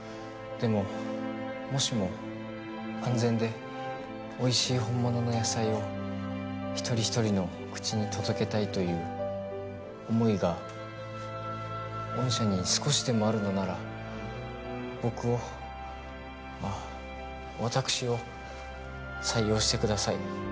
でももしも安全でおいしい本物の野菜を一人一人の口に届けたいという思いが御社に少しでもあるのなら僕をあっわたくしを採用してください。